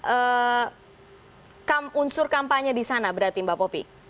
ada unsur kampanye disana berarti mbak popi